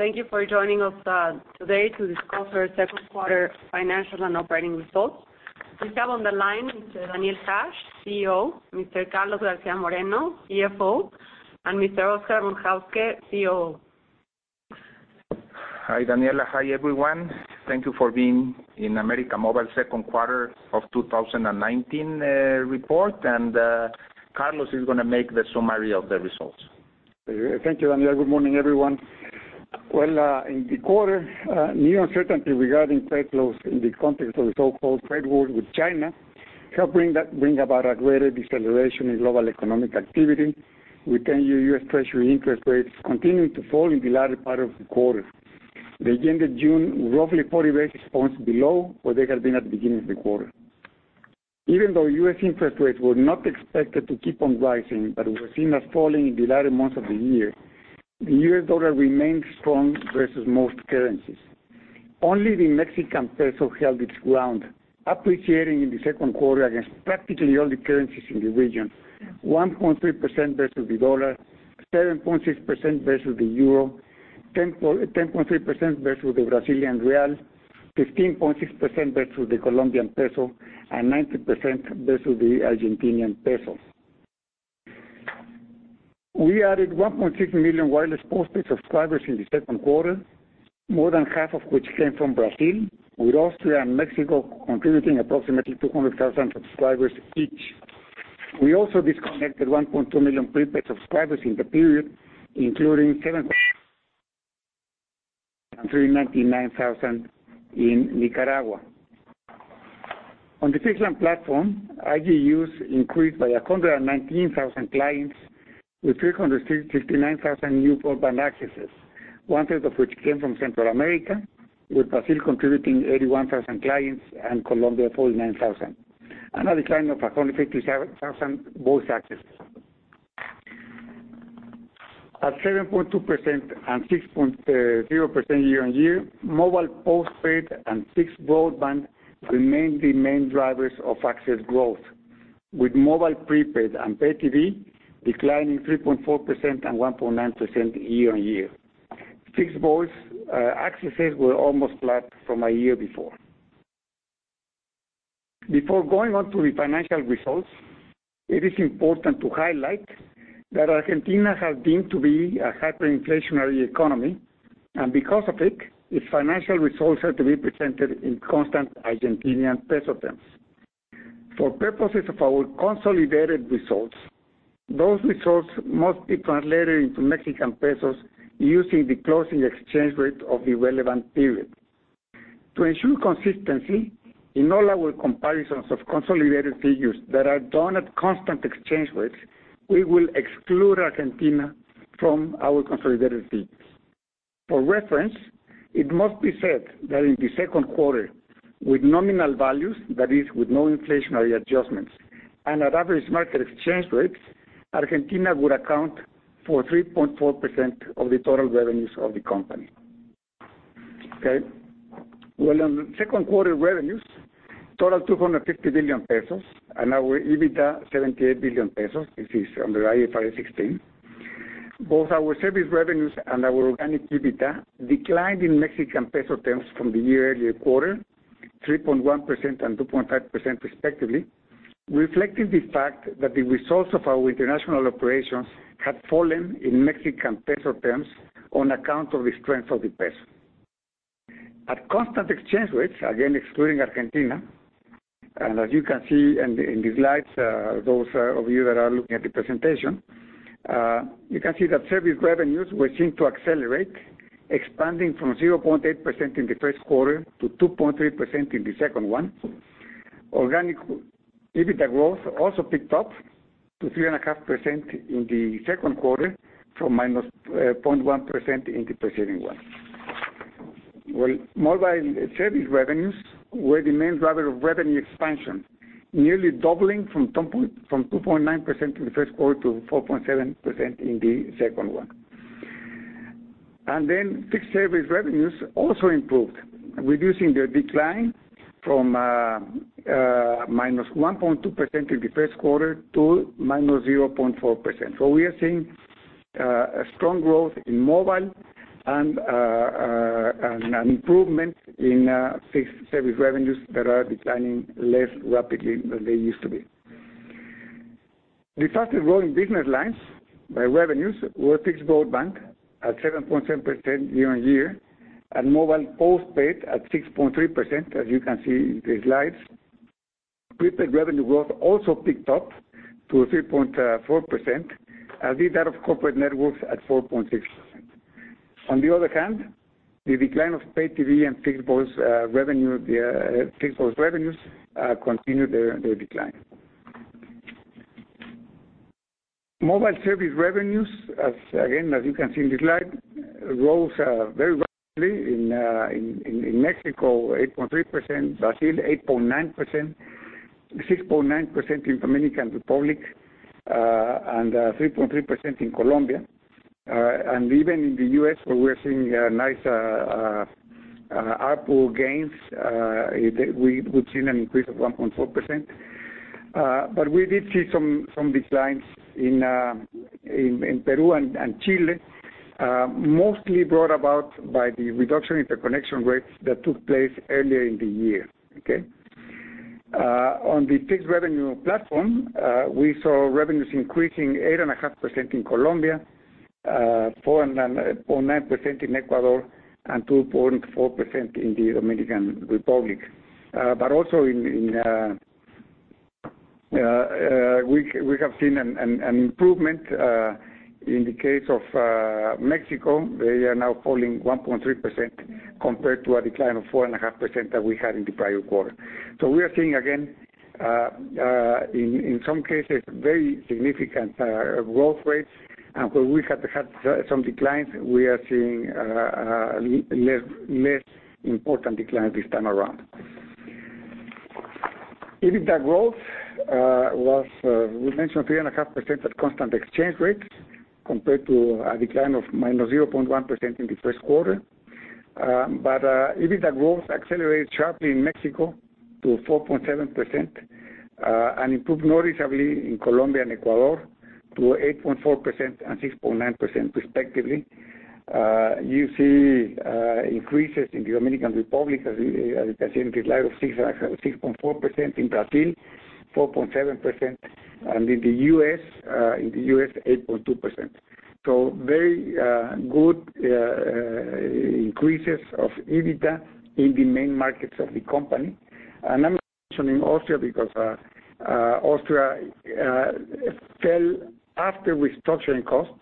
Thank you for joining us today to discuss our second quarter financials and operating results. We have on the line Mr. Daniel Hajj, CEO, Mr. Carlos García Moreno, CFO, and Mr. Oscar Von Hauske Solís, COO. Hi, Daniela. Hi, everyone. Thank you for being in América Móvil second quarter of 2019 report. Carlos is going to make the summary of the results. Thank you, Daniela. Good morning, everyone. Well, in the quarter, new uncertainty regarding trade flows in the context of the so-called trade war with China helped bring about a greater deceleration in global economic activity, with 10-year U.S. Treasury interest rates continuing to fall in the latter part of the quarter. They ended June roughly 40 basis points below where they had been at the beginning of the quarter. Even though U.S. interest rates were not expected to keep on rising but were seen as falling in the latter months of the year, the U.S. dollar remained strong versus most currencies. Only the Mexican peso held its ground, appreciating in the second quarter against practically all the currencies in the region, 1.3% versus the dollar, 7.6% versus the EUR, 10.3% versus the BRL, 15.6% versus the COP, and 19% versus the ARS. We added 1.6 million wireless postpaid subscribers in the second quarter, more than half of which came from Brazil, with Austria and Mexico contributing approximately 200,000 subscribers each. We also disconnected 1.2 million prepaid subscribers in the period, including 700,000 in Brazil and 399,000 in Nicaragua. On the fixed line platform, RGUs increased by 119,000 clients with 369,000 new broadband accesses, one-third of which came from Central America, with Brazil contributing 81,000 clients and Colombia 49,000, and a decline of 157,000 voice accesses. At 7.2% and 6.0% year-on-year, mobile postpaid and fixed broadband remain the main drivers of access growth, with mobile prepaid and pay TV declining 3.4% and 1.9% year-on-year. Fixed voice accesses were almost flat from a year before. Before going on to the financial results, it is important to highlight that Argentina has been to be a hyperinflationary economy, and because of it, its financial results have to be presented in constant Argentinian peso terms. For purposes of our consolidated results, those results must be translated into Mexican pesos using the closing exchange rate of the relevant period. To ensure consistency in all our comparisons of consolidated figures that are done at constant exchange rates, we will exclude Argentina from our consolidated feeds. For reference, it must be said that in the second quarter, with nominal values, that is with no inflationary adjustments, and at average market exchange rates, Argentina would account for 3.4% of the total revenues of the company. Okay. On second quarter revenues, total 250 billion pesos, and our EBITDA 78 billion pesos. This is under IFRS 16. Both our service revenues and our organic EBITDA declined in Mexican peso terms from the year earlier quarter, 3.1% and 2.5% respectively, reflecting the fact that the results of our international operations had fallen in Mexican peso terms on account of the strength of the peso. At constant exchange rates, again excluding Argentina, and as you can see in the slides, those of you that are looking at the presentation, you can see that service revenues were seen to accelerate, expanding from 0.8% in the first quarter to 2.3% in the second one. Organic EBITDA growth also picked up to 3.5% in the second quarter from -0.1% in the preceding one. Mobile service revenues were the main driver of revenue expansion, nearly doubling from 2.9% in the first quarter to 4.7% in the second one. Fixed service revenues also improved, reducing their decline from -1.2% in the first quarter to -0.4%. We are seeing a strong growth in mobile and an improvement in fixed service revenues that are declining less rapidly than they used to be. The fastest growing business lines by revenues were fixed broadband at 7.7% year-on-year and mobile postpaid at 6.3%, as you can see in the slides. Prepaid revenue growth also picked up to 3.4%, as did that of corporate networks at 4.6%. On the other hand, the decline of pay TV and fixed voice revenues continued their decline. Mobile service revenues, again as you can see in the slide, rose very rapidly in Mexico, 8.3%, Brazil 8.9%, 6.9% in Dominican Republic, and 3.3% in Colombia. Even in the U.S., where we are seeing nice ARPU gains, we've seen an increase of 1.4%. We did see some declines in Peru and Chile, mostly brought about by the reduction in interconnection rates that took place earlier in the year. Okay? On the fixed revenue platform, we saw revenues increasing 8.5% in Colombia, 4.9% in Ecuador, and 2.4% in the Dominican Republic. Also we have seen an improvement in the case of Mexico. They are now falling 1.3% compared to a decline of 4.5% that we had in the prior quarter. We are seeing, again, in some cases, very significant growth rates. Where we have had some declines, we are seeing less important decline this time around. EBITDA growth was, we mentioned, 3.5% at constant exchange rates compared to a decline of -0.1% in the first quarter. EBITDA growth accelerated sharply in Mexico to 4.7%, and improved noticeably in Colombia and Ecuador to 8.4% and 6.9% respectively. Increases in the Dominican Republic, as you can see in the slide, of 6.4%, in Brazil 4.7%, and in the U.S. 8.2%. Very good increases of EBITDA in the main markets of the company. I am not mentioning Austria because Austria fell after restructuring costs.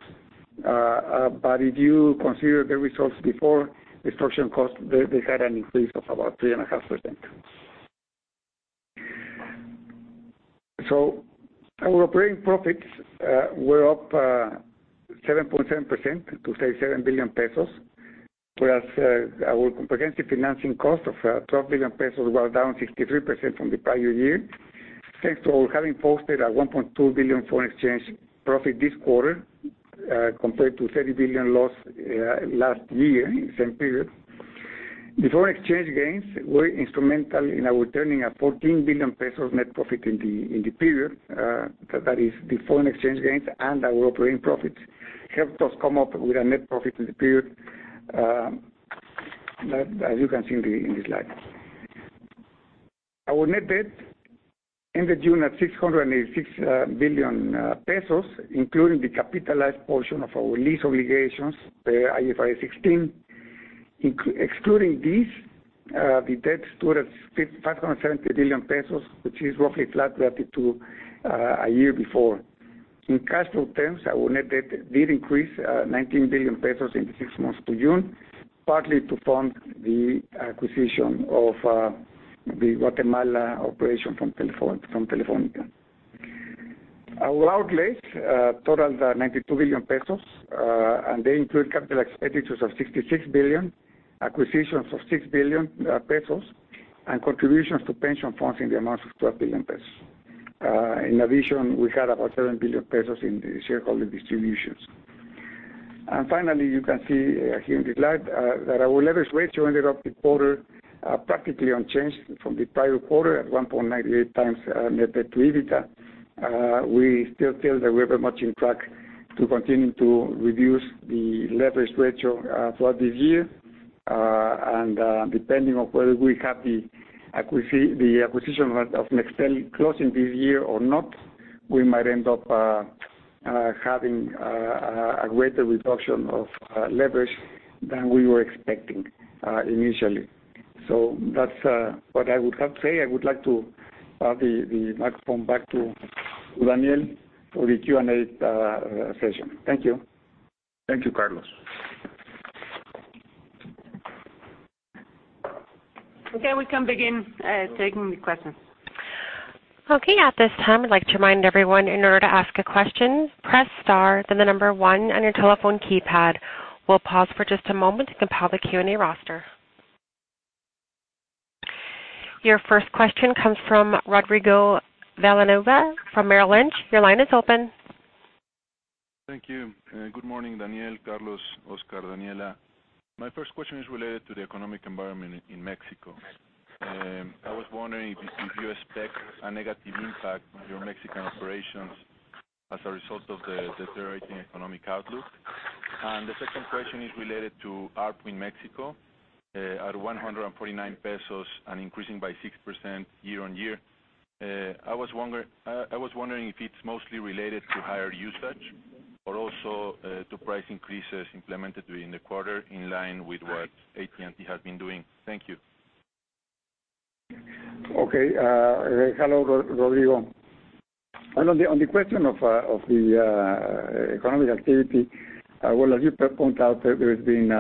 If you consider the results before restructuring costs, they had an increase of about 3.5%. Our operating profits were up 7.7% to 37 billion pesos, whereas our comprehensive financing cost of 12 billion pesos was down 63% from the prior year, thanks to our having posted a 1.2 billion foreign exchange profit this quarter compared to 30 billion loss last year in the same period. The foreign exchange gains were instrumental in our turning a 14 billion pesos net profit in the period. That is the foreign exchange gains and our operating profits helped us come up with a net profit in the period, as you can see in the slide. Our net debt ended June at 686 billion pesos, including the capitalized portion of our lease obligations per IFRS 16. Excluding this, the debt stood at 570 billion pesos, which is roughly flat relative to a year before. In cash flow terms, our net debt did increase 19 billion pesos in the six months to June, partly to fund the acquisition of the Guatemala operation from Telefónica. Our outlays totaled 92 billion pesos, and they include capital expenditures of 66 billion, acquisitions of 6 billion pesos, and contributions to pension funds in the amount of 12 billion pesos. In addition, we had about 7 billion pesos in the shareholder distributions. Finally, you can see here in the slide that our leverage ratio ended up the quarter practically unchanged from the prior quarter at 1.98 times net debt to EBITDA. We still feel that we are very much on track to continue to reduce the leverage ratio throughout this year. Depending on whether we have the acquisition of Nextel closing this year or not, we might end up having a greater reduction of leverage than we were expecting initially. That is what I would have to say. I would like to pass the microphone back to Daniel for the Q&A session. Thank you. Thank you, Carlos. Okay, we can begin taking the questions. Okay. At this time, I'd like to remind everyone, in order to ask a question, press star, then the number one on your telephone keypad. We'll pause for just a moment to compile the Q&A roster. Your first question comes from Rodrigo Villanova from Merrill Lynch. Your line is open. Thank you. Good morning, Daniel, Carlos, Oscar, Daniela. My first question is related to the economic environment in Mexico. I was wondering if you expect a negative impact on your Mexican operations as a result of the deteriorating economic outlook. The second question is related to ARPU in Mexico. At 149 pesos and increasing by 6% year-over-year, I was wondering if it's mostly related to higher usage or also to price increases implemented during the quarter in line with what AT&T has been doing. Thank you. Okay. Hello, Rodrigo. On the question of the economic activity, well, as you pointed out, there's been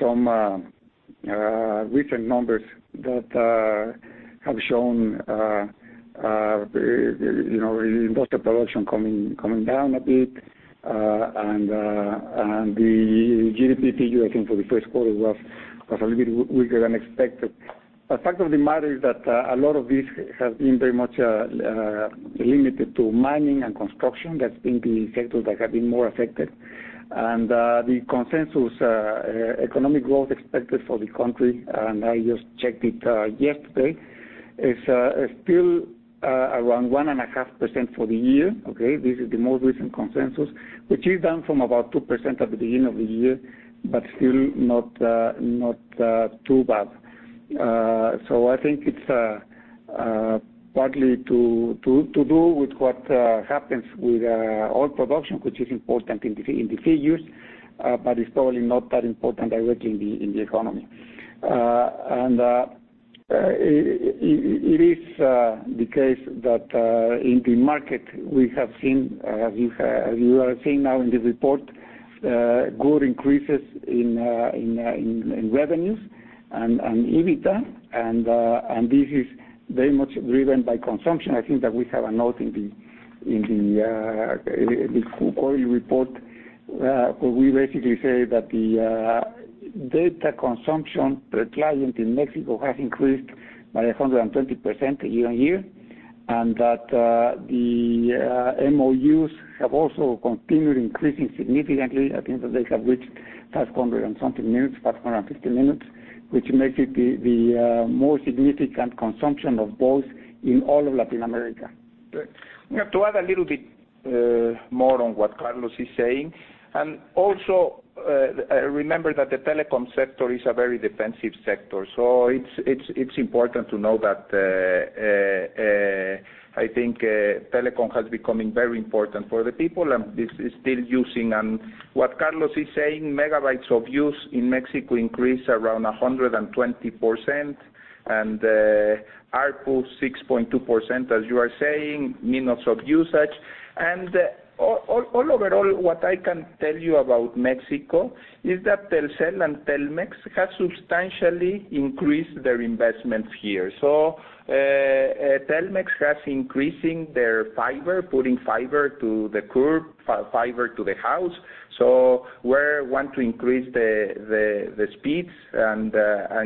some recent numbers that have shown industrial production coming down a bit. The GDP figure, I think, for the first quarter was a little bit weaker than expected. A fact of the matter is that a lot of this has been very much limited to mining and construction. That's been the sectors that have been more affected. The consensus economic growth expected for the country, and I just checked it yesterday, is still around 1.5% for the year. Okay? This is the most recent consensus, which is down from about 2% at the beginning of the year, but still not too bad. I think it's partly to do with what happens with oil production, which is important in the figures, but it's probably not that important directly in the economy. It is the case that in the market, we have seen, as you are seeing now in the report, good increases in revenues and EBITDA, and this is very much driven by consumption. I think that we have a note in the full [Oi report, where we basically say that the data consumption per client in Mexico has increased by 120% year-on-year, and that the MOUs have also continued increasing significantly. I think that they have reached 500 and something minutes, 550 minutes, which makes it the most significant consumption of both in all of Latin America. Great. To add a little bit more on what Carlos is saying, also remember that the telecom sector is a very defensive sector. It's important to know that I think telecom has become very important for the people, and is still using. What Carlos is saying, megabytes of use in Mexico increased around 120%, and ARPU 6.2%, as you are saying, minutes of usage. Overall, what I can tell you about Mexico is that Telcel and Telmex have substantially increased their investments here. Telmex has increasing their fiber, putting fiber to the curb, fiber to the home. We want to increase the speeds and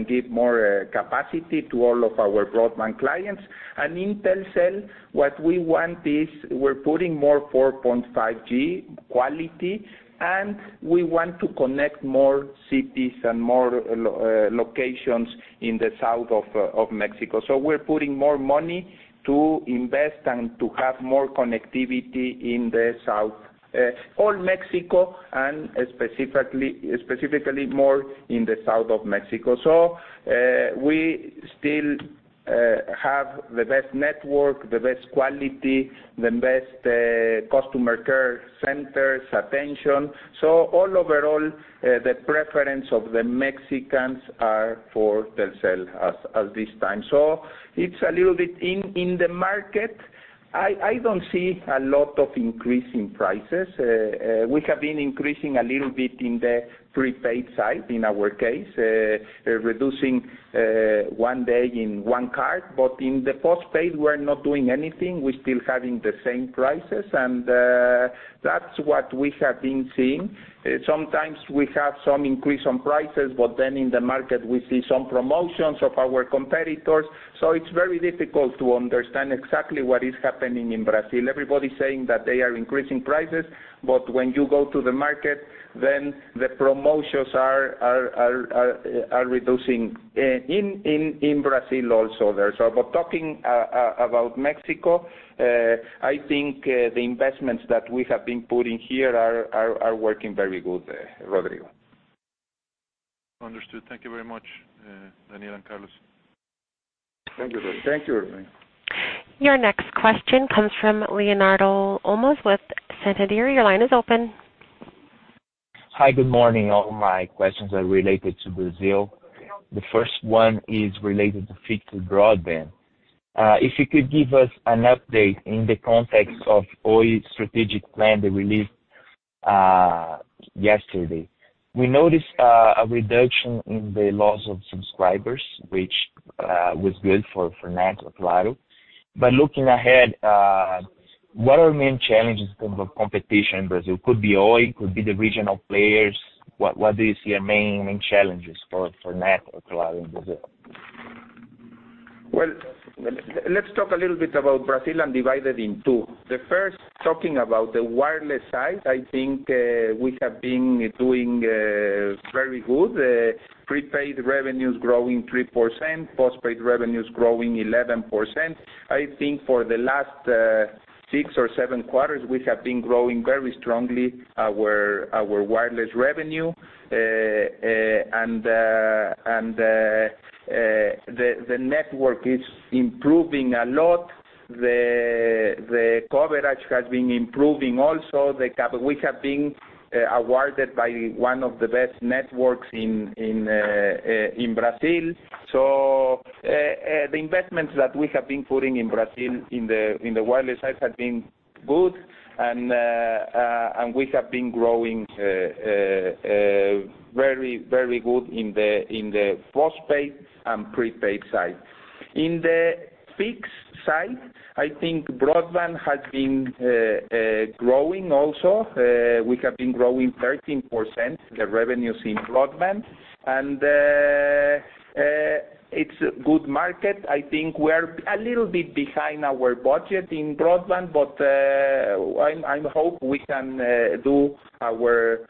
give more capacity to all of our broadband clients. In Telcel, what we want is we're putting more 4.5G quality, and we want to connect more cities and more locations in the South of Mexico. We're putting more money to invest and to have more connectivity in the South. All Mexico and specifically more in the South of Mexico. We still have the best network, the best quality, the best customer care centers, attention. Overall, the preference of the Mexicans are for Telcel at this time. It's a little bit in the market. I don't see a lot of increase in prices. We have been increasing a little bit in the prepaid side, in our case, reducing one day in one card. In the postpaid, we're not doing anything. We're still having the same prices, and that's what we have been seeing. Sometimes we have some increase on prices, but then in the market, we see some promotions of our competitors. It's very difficult to understand exactly what is happening in Brazil. Everybody's saying that they are increasing prices, when you go to the market, then the promotions are reducing in Brazil also there. Talking about Mexico, I think the investments that we have been putting here are working very good, Rodrigo. Understood. Thank you very much, Daniel and Carlos. Thank you. Thank you, Rodrigo. Your next question comes from Leonardo Olmos with Santander. Your line is open. Hi, good morning. All my questions are related to Brazil. The first one is related to fixed broadband. If you could give us an update in the context of Oi's strategic plan they released yesterday. We noticed a reduction in the loss of subscribers, which was good for NET or Claro. Looking ahead, what do you see are main challenges in terms of competition in Brazil? Could be Oi, could be the regional players. What do you see are main challenges for NET or Claro in Brazil? Well, let's talk a little bit about Brazil and divide it in two. The first, talking about the wireless side, I think we have been doing very good. Prepaid revenue's growing 3%, postpaid revenue's growing 11%. I think for the last six or seven quarters, we have been growing very strongly our wireless revenue, and the network is improving a lot. The coverage has been improving also. We have been awarded by one of the best networks in Brazil. The investments that we have been putting in Brazil in the wireless side have been good and we have been growing very good in the postpaid and prepaid side. In the fixed side, I think broadband has been growing also. We have been growing 13%, the revenues in broadband. It's a good market. I think we're a little bit behind our budget in broadband, I hope we can do our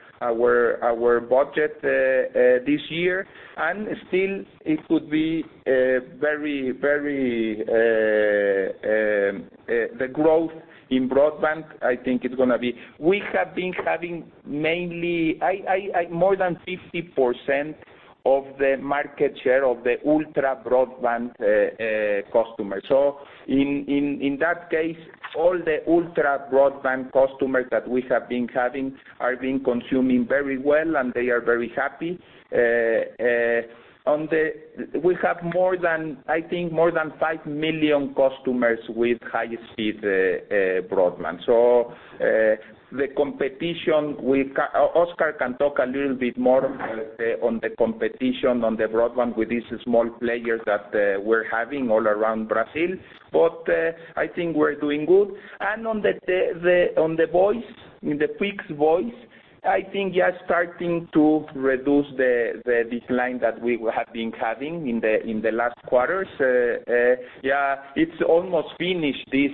budget this year. Still, the growth in broadband, I think it's going to be We have been having more than 50% of the market share of the ultra broadband customers. In that case, all the ultra broadband customers that we have been having are consuming very well, and they are very happy. We have more than, I think, five million customers with high-speed broadband. The competition, Oscar can talk a little bit more on the competition on the broadband with these small players that we're having all around Brazil, I think we're doing good. On the voice, in the fixed voice, I think we are starting to reduce the decline that we have been having in the last quarters. It's almost finished, this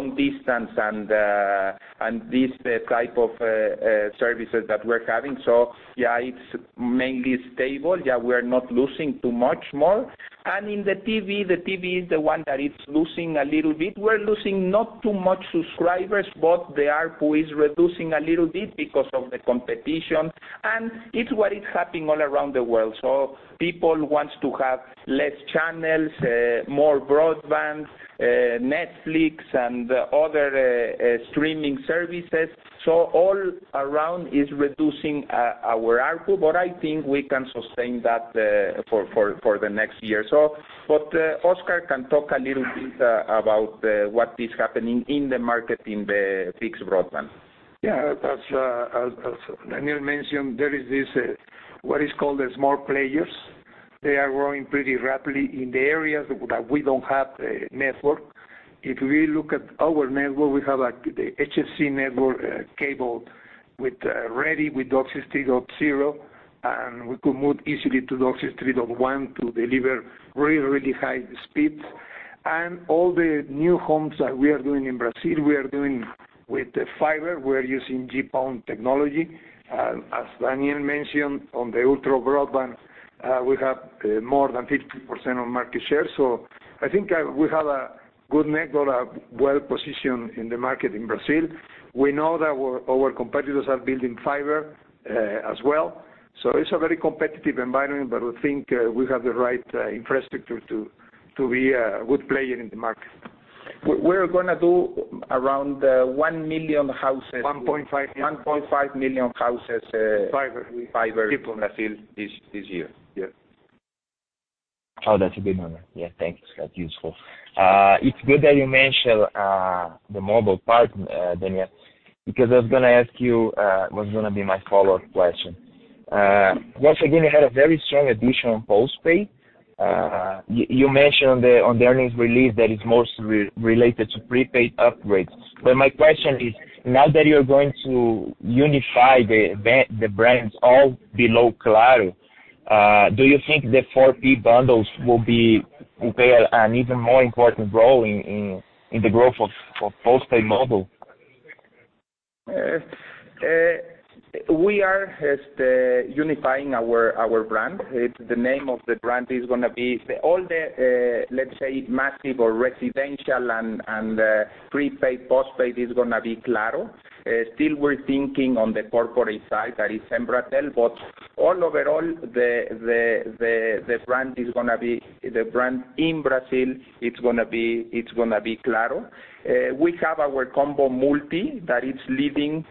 long distance and this type of services that we're having. Yeah, it's mainly stable. We're not losing too much more. In the TV, the TV is the one that is losing a little bit. We're losing not too many subscribers, but the ARPU is reducing a little bit because of the competition, and it's what is happening all around the world. People want to have fewer channels, more broadband, Netflix, and other streaming services. All around is reducing our ARPU, I think we can sustain that for the next year or so. Oscar can talk a little bit about what is happening in the market in the fixed broadband. Yeah. As Daniel mentioned, there is this, what is called the small players. They are growing pretty rapidly in the areas that we don't have a network. If we look at our network, we have the HFC network cable ready with DOCSIS 3.0, and we could move easily to DOCSIS 3.1 to deliver really high speeds. All the new homes that we are doing in Brazil, we are doing with fiber. We are using GPON technology. As Daniel mentioned on the ultra broadband, we have more than 50% of market share. I think we have a good network, well-positioned in the market in Brazil. We know that our competitors are building fiber as well. It is a very competitive environment, but we think we have the right infrastructure to be a good player in the market. We are going to do around 1 million houses. 1.5 million. 1.5 million houses. Fiber with fiber. In Brazil this year. Yes. Oh, that's a good number. Yeah, thanks. That's useful. It's good that you mentioned the mobile part, Daniel, because I was going to ask you, was going to be my follow-up question. Once again, you had a very strong addition on postpaid. You mentioned on the earnings release that it's mostly related to prepaid upgrades. My question is, now that you're going to unify the brands all below Claro, do you think the 4P bundles will play an even more important role in the growth of postpaid mobile? We are unifying our brand. The name of the brand is going to be all the, let's say, massive or residential and prepaid, postpaid is going to be Claro. Still, we're thinking on the corporate side, that is Embratel. All overall, the brand in Brazil, it's going to be Claro. We have our Combo Multi that is leading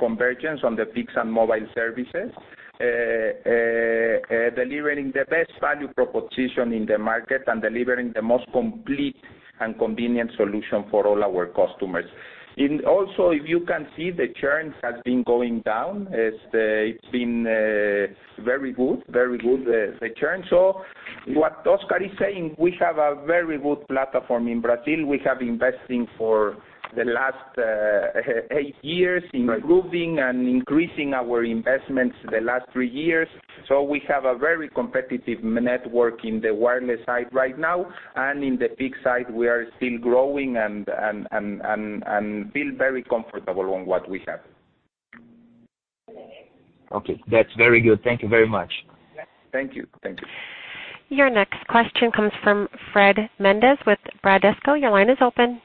convergence on the fixed and mobile services, delivering the best value proposition in the market and delivering the most complete and convenient solution for all our customers. Also, if you can see, the churn has been going down. It's been very good, the churn. What Oscar is saying, we have a very good platform in Brazil. We have been investing for the last eight years, improving and increasing our investments the last three years. We have a very competitive network in the wireless side right now, and in the fixed side, we are still growing and feel very comfortable on what we have. Okay. That's very good. Thank you very much. Yeah. Thank you. Thank you. Your next question comes from Fred Mendes with Bradesco. Your line is open.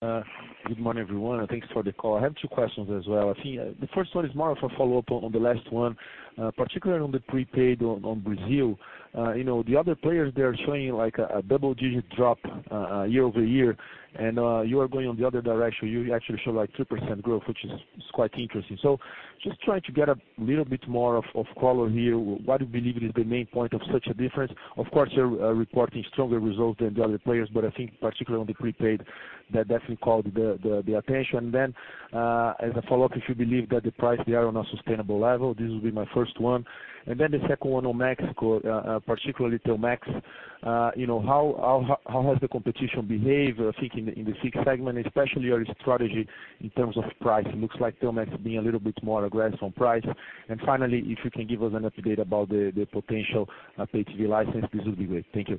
Good morning, everyone, and thanks for the call. I have two questions as well. I think the first one is more of a follow-up on the last one, particularly on the prepaid on Brazil. The other players, they are showing a double-digit drop year-over-year, and you are going in the other direction. You actually show a 3% growth, which is quite interesting. Just trying to get a little bit more of color here. What do you believe is the main point of such a difference? Of course, you're reporting stronger results than the other players, but I think particularly on the prepaid, that definitely called the attention. As a follow-up, if you believe that the price, they are on a sustainable level. This will be my first one. The second one on Mexico, particularly Telmex. How has the competition behaved, I think in the fixed segment, especially your strategy in terms of price? It looks like Telmex is being a little bit more aggressive on price. Finally, if you can give us an update about the potential pay TV license, this would be great. Thank you.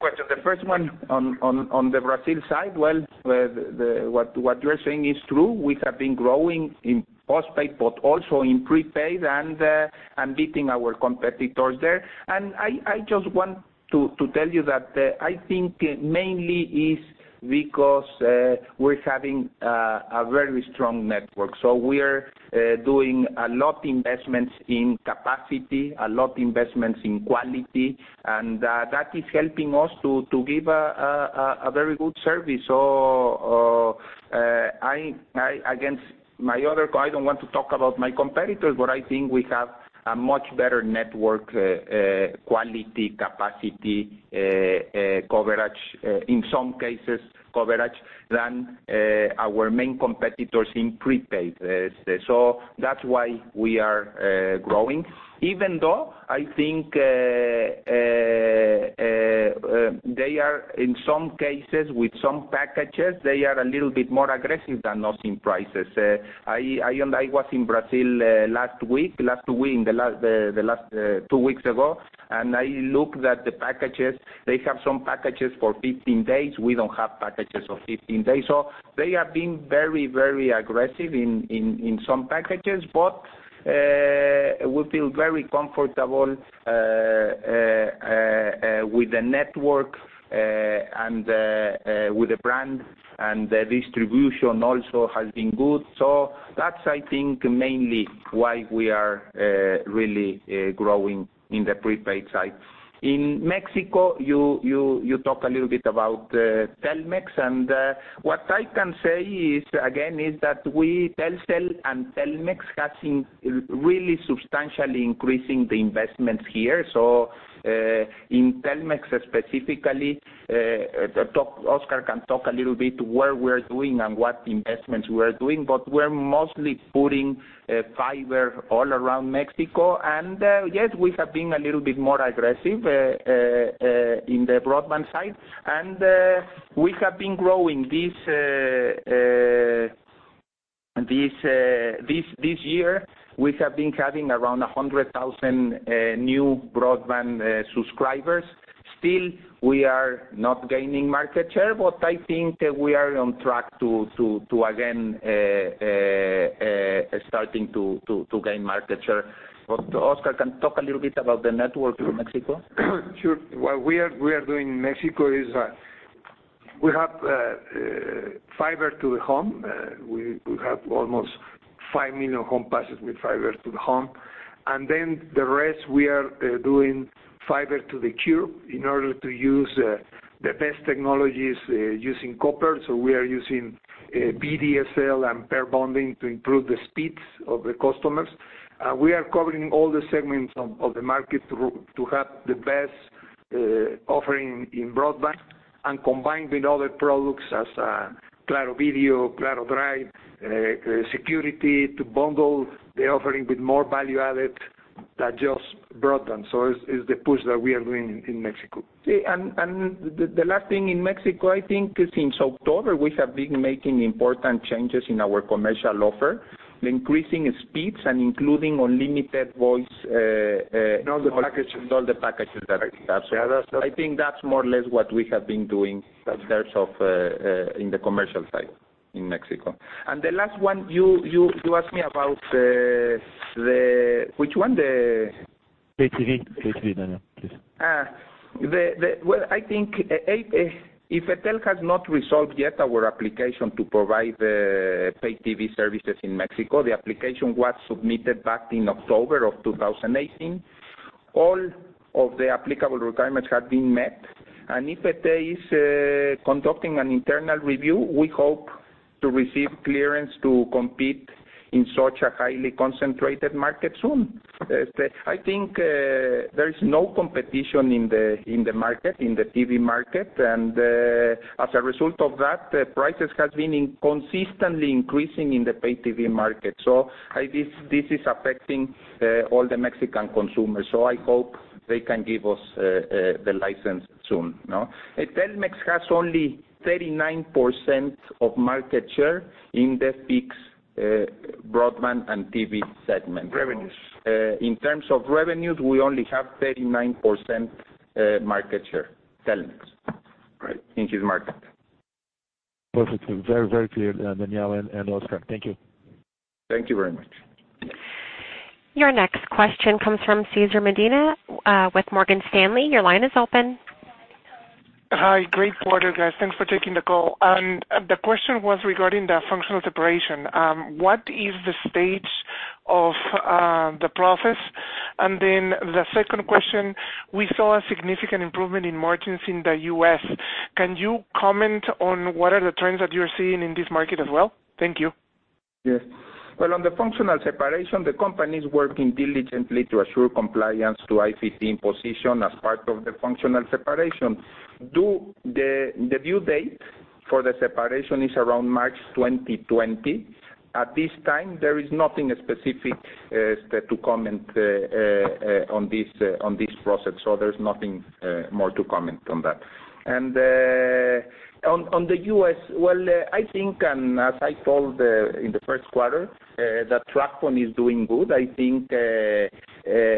Question. The first one on the Brazil side, well, what you're saying is true. We have been growing in postpaid, but also in prepaid and beating our competitors there. I just want to tell you that I think mainly it's because we're having a very strong network. We are doing a lot investments in capacity, a lot investments in quality, and that is helping us to give a very good service. I don't want to talk about my competitors, but I think we have a much better network quality, capacity, coverage, in some cases, coverage than our main competitors in prepaid. That's why we are growing. Even though, I think, in some cases, with some packages, they are a little bit more aggressive than us in prices. I was in Brazil last week, the last two weeks ago, and I looked at the packages. They have some packages for 15 days. We don't have packages for 15 days. They have been very aggressive in some packages, but we feel very comfortable with the network and with the brand, and the distribution also has been good. That's, I think, mainly why we are really growing in the prepaid side. In Mexico, you talk a little bit about Telmex. What I can say is, again, is that Telcel and Telmex has been really substantially increasing the investments here. In Telmex specifically, Oscar can talk a little bit where we're doing and what investments we're doing, but we're mostly putting fiber all around Mexico. Yes, we have been a little bit more aggressive in the broadband side. We have been growing. This year, we have been having around 100,000 new broadband subscribers. Still, we are not gaining market share, but I think we are on track to again starting to gain market share. Oscar can talk a little bit about the network in Mexico. Sure. What we are doing in Mexico is we have fiber to the home. We have almost 5 million home passes with fiber to the home. Then the rest, we are doing fiber to the curb in order to use the best technologies using copper. We are using VDSL and pair bonding to improve the speeds of the customers. We are covering all the segments of the market to have the best offering in broadband and combined with other products as Claro Video, Claro drive, security to bundle the offering with more value added than just broadband. It's the push that we are doing in Mexico. The last thing in Mexico, I think since October, we have been making important changes in our commercial offer, increasing speeds, and including unlimited voice. In all the packages in all the packages that we have. Yeah, that's right. I think that's more or less what we have been doing. That's right in terms of in the commercial side in Mexico. The last one, you asked me about the, which one? Pay TV. Pay TV, Daniel, please. Well, I think, IFT has not resolved yet our application to provide pay TV services in Mexico. The application was submitted back in October of 2018. All of the applicable requirements have been met. IFT is conducting an internal review, we hope to receive clearance to compete in such a highly concentrated market soon. I think there is no competition in the TV market. As a result of that, prices has been consistently increasing in the pay TV market. This is affecting all the Mexican consumers. I hope they can give us the license soon. Telmex has only 39% of market share in the fixed broadband and TV segment. Revenues. In terms of revenues, we only have 39% market share, Telmex. Right. In this market. Perfect. Very clear, Daniel and Oscar. Thank you. Thank you very much. Your next question comes from Cesar Medina with Morgan Stanley. Your line is open. Hi. Great quarter, guys. Thanks for taking the call. The question was regarding the functional separation. What is the stage of the process? Then the second question, we saw a significant improvement in margins in the U.S. Can you comment on what are the trends that you're seeing in this market as well? Thank you. Yes. Well, on the functional separation, the company's working diligently to assure compliance to IFT imposition as part of the functional separation. The due date for the separation is around March 2020. At this time, there is nothing specific to comment on this process. There's nothing more to comment on that. On the U.S., well, I think, and as I told in the first quarter, that TracFone is doing good. I think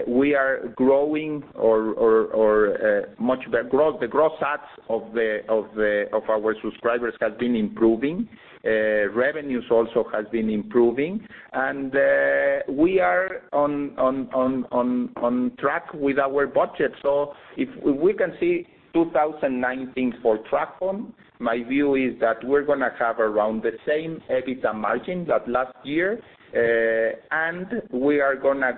we are growing, or much of the gross adds of our subscribers has been improving. Revenues also has been improving. We are on track with our budget. If we can see 2019 for TracFone, my view is that we're going to have around the same EBITDA margin that last year, and we are going to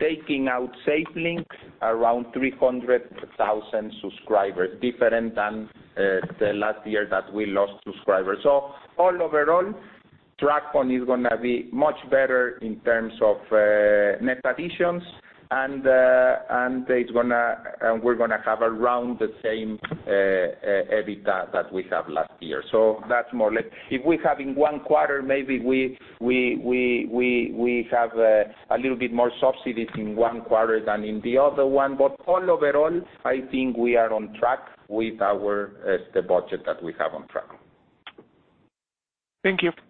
grow, taking out SafeLink, around 300,000 subscribers, different than the last year that we lost subscribers. All overall, TracFone is going to be much better in terms of net additions, and we're going to have around the same EBITDA that we have last year. That's more or less. If we have in one quarter, maybe we have a little bit more subsidies in one quarter than in the other one. All overall, I think we are on track with the budget that we have on TracFone. Thank you. Thank you.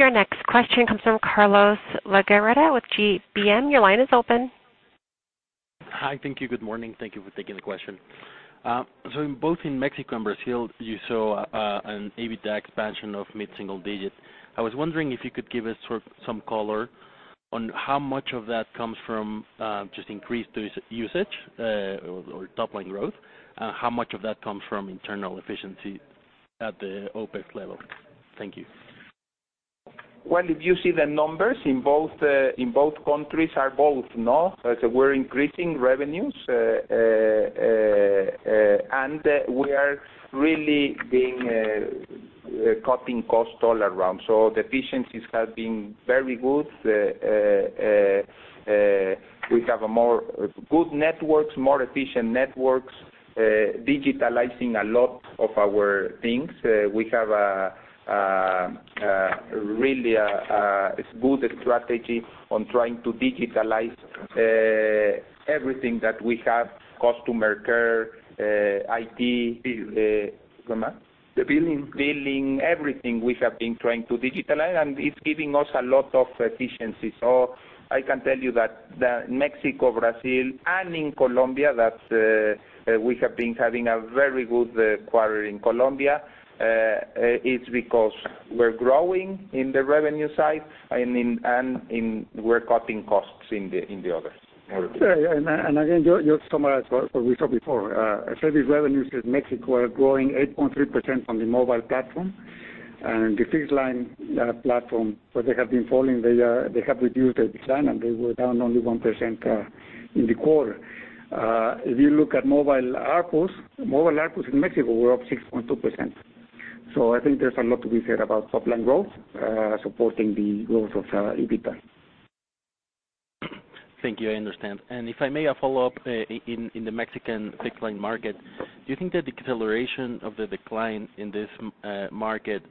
Your next question comes from Carlos Legarreta with GBM. Your line is open. Hi. Thank you. Good morning. Thank you for taking the question. In both in Mexico and Brazil, you saw an EBITDA expansion of mid-single digit. I was wondering if you could give us sort of some color on how much of that comes from just increased usage, or top-line growth? How much of that comes from internal efficiency at the OpEx level? Thank you. if you see the numbers in both countries are both, no. We're increasing revenues, and we are really being cutting costs all around. The efficiencies have been very good. We have a more good networks, more efficient networks, digitalizing a lot of our things. We have really a good strategy on trying to digitalize everything that we have, customer care, IT. Billing. Come again? The billing. Billing, everything we have been trying to digitalize, and it's giving us a lot of efficiency. I can tell you that the Mexico, Brazil, and in Colombia, that we have been having a very good quarter in Colombia, it's because we're growing in the revenue side and we're cutting costs in the others. Yeah. Again, just to summarize what we saw before, service revenues in Mexico are growing 8.3% on the mobile platform and the fixed line platform, where they have been falling, they have reduced their decline, and they were down only 1% in the quarter. If you look at mobile ARPU, mobile ARPUs in Mexico were up 6.2%. I think there's a lot to be said about top-line growth, supporting the growth of EBITDA. Thank you. I understand. If I may, a follow-up. In the Mexican fixed line market, do you think the deceleration of the decline in this market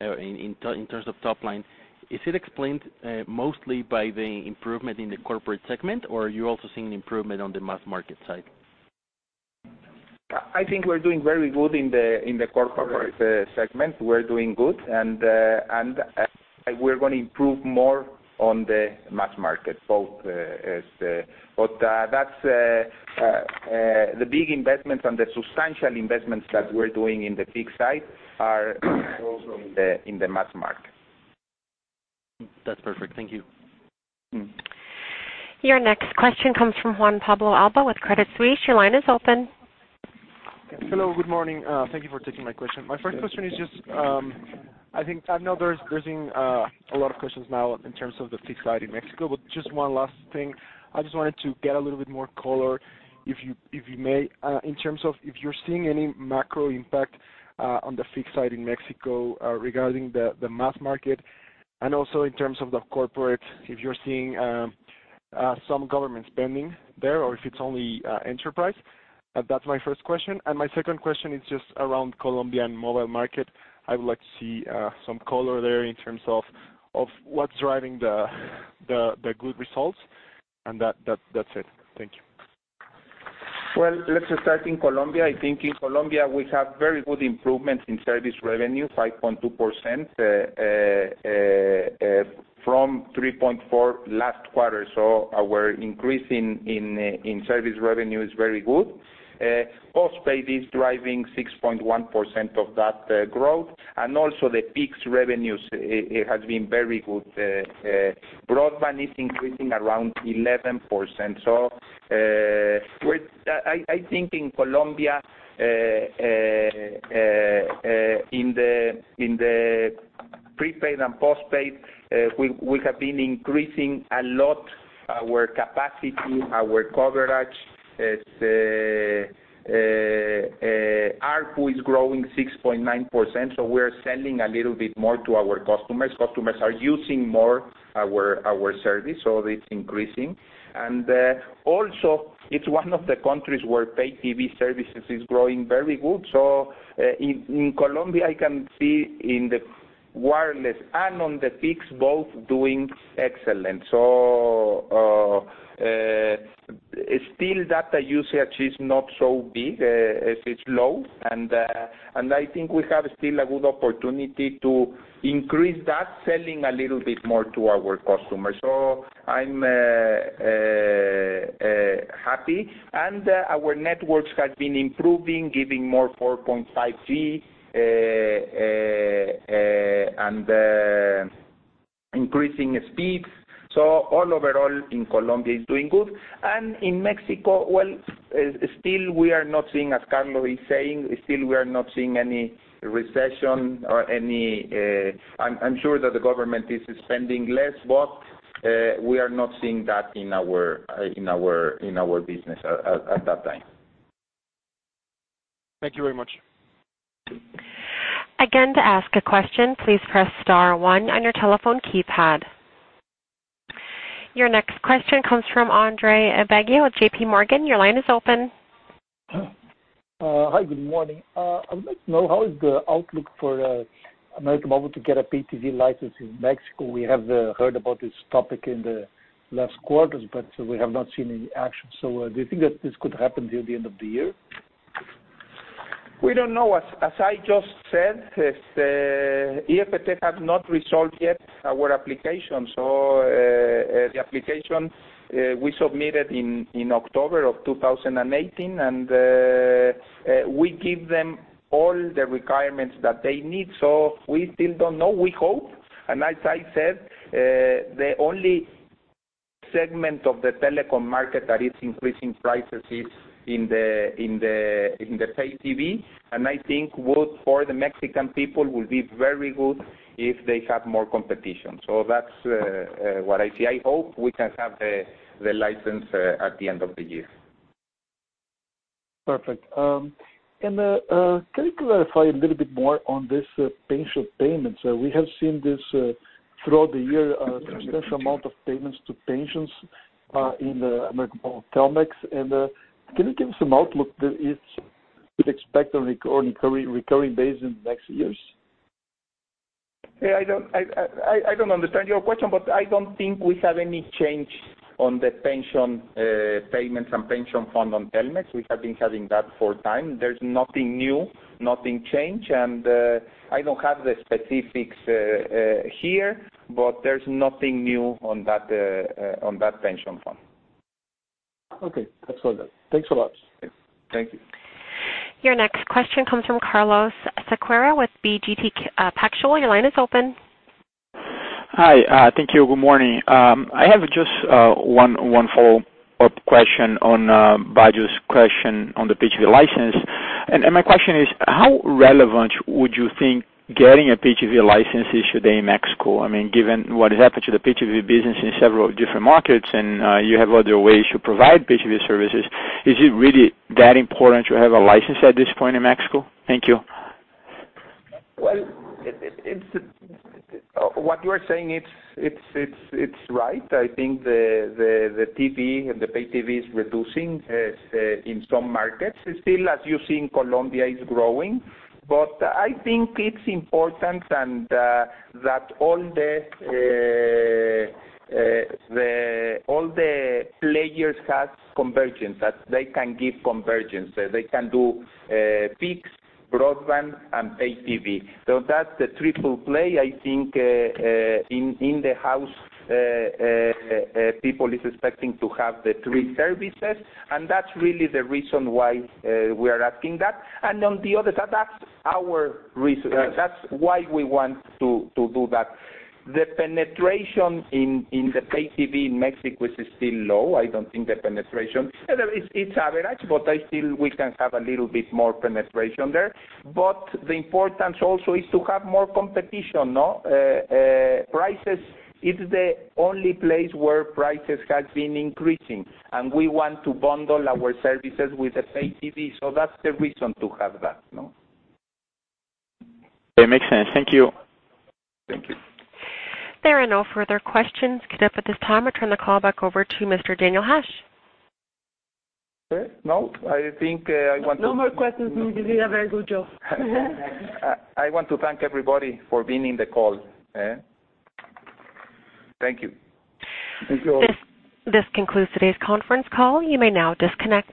in terms of top line, is it explained mostly by the improvement in the corporate segment, or are you also seeing an improvement on the mass market side? I think we're doing very good in the corporate segment. We're doing good. We're going to improve more on the mass market. The big investments and the substantial investments that we're doing in the fixed side are also in the mass market. That's perfect. Thank you. Your next question comes from Juan Pablo Alba with Credit Suisse. Your line is open. Hello. Good morning. Thank you for taking my question. My first question is just, I know there's been a lot of questions now in terms of the fixed side in Mexico, but just one last thing. I just wanted to get a little bit more color, if you may, in terms of if you're seeing any macro impact on the fixed side in Mexico regarding the mass market and also in terms of the Corporate, if you're seeing some government spending there or if it's only enterprise. That's my first question. My second question is just around Colombia and mobile market. I would like to see some color there in terms of what's driving the good results. That's it. Thank you. Well, let's start in Colombia. I think in Colombia, we have very good improvements in service revenue, 5.2%, from 3.4 last quarter. Our increase in service revenue is very good. Postpaid is driving 6.1% of that growth. Also the fixed revenues, it has been very good. Broadband is increasing around 11%. I think in Colombia, in the prepaid and postpaid, we have been increasing a lot our capacity, our coverage. ARPU is growing 6.9%, we're selling a little bit more to our customers. Customers are using more our service, it's increasing. Also it's one of the countries where paid TV services is growing very good. In Colombia, I can see in the wireless and on the fixed, both doing excellent. Still, data usage is not so big. It's low. I think we have still a good opportunity to increase that, selling a little bit more to our customers. I'm happy. Our networks have been improving, giving more 4.5G, and increasing speeds. All overall in Colombia is doing good. In Mexico, well, still we are not seeing, as Carlos is saying, still we are not seeing any recession. I'm sure that the government is spending less, we are not seeing that in our business at that time. Thank you very much. Again, to ask a question, please press star one on your telephone keypad. Your next question comes from Andre Baggio with JP Morgan. Your line is open. Hi, good morning. I would like to know how is the outlook for América Móvil to get a pay TV license in Mexico. We have heard about this topic in the last quarters, but we have not seen any action. Do you think that this could happen till the end of the year? We don't know. As I just said, IFT has not resolved yet our application. The application we submitted in October of 2018, we give them all the requirements that they need. We still don't know. We hope, as I said, the only segment of the telecom market that is increasing prices is in the pay TV, I think both for the Mexican people will be very good if they have more competition. That's what I see. I hope we can have the license at the end of the year. Perfect. Can you clarify a little bit more on this pension payment? We have seen this throughout the year, a tremendous amount of payments to pensions in América Móvil, Telmex, and can you give some outlook that we'd expect on recurring basis in next years? I don't understand your question. I don't think we have any change on the pension payments and pension fund on Telmex. We have been having that for time. There's nothing new, nothing change. I don't have the specifics here. There's nothing new on that pension fund. Okay. That's all then. Thanks a lot. Thank you. Your next question comes from Carlos Sequeira with BTG Pactual. Your line is open. Hi. Thank you. Good morning. I have just one follow-up question on Baggio's question on the pay TV license. My question is, how relevant would you think getting a pay TV license is today in Mexico? Given what has happened to the pay TV business in several different markets and you have other ways to provide pay TV services, is it really that important to have a license at this point in Mexico? Thank you. Well, what you are saying it's right. I think the TV and the pay TV is reducing in some markets. Still, as you see, in Colombia, it's growing. I think it's important and that all the players have convergence, that they can give convergence. They can do fixed, broadband, and pay TV. That's the triple play, I think, in the house, people is expecting to have the three services, and that's really the reason why we are asking that. On the other, that's why we want to do that. The penetration in the pay TV in Mexico is still low. It's average, but still we can have a little bit more penetration there. The importance also is to have more competition. Prices, it's the only place where prices has been increasing, and we want to bundle our services with the pay TV. That's the reason to have that. It makes sense. Thank you. Thank you. There are no further questions queued up at this time. I turn the call back over to Mr. Daniel Hajj. Okay. No, I think. No more questions means you did a very good job. I want to thank everybody for being in the call. Thank you. Thank you all. This concludes today's conference call. You may now disconnect.